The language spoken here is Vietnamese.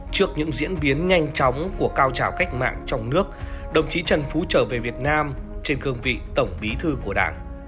trước những diễn biến nhanh chóng của cao trào cách mạng trong nước đồng chí trần phú trở về việt nam trên cương vị tổng bí thư của đảng